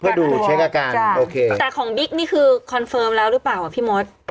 เพื่อดูเช็คอาการโอเคแต่ของบิ๊กนี่คือคอนเฟิร์มแล้วหรือเปล่าอ่ะพี่มด